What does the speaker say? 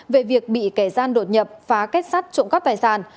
về việc bị kẻ gian đột nhập phá kết sắt trộm cắp tài sản